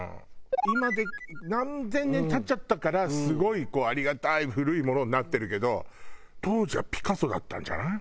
今で何千年経っちゃったからすごいありがたい古いものになってるけど当時はピカソだったんじゃない？